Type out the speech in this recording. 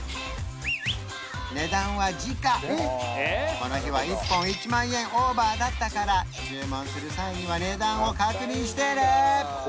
この日は１本１万円オーバーだったから注文する際には値段を確認してね